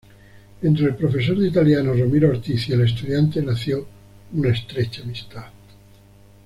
Entre el profesor de italiano Ramiro Ortiz y el estudiante nació una estrecha amistad.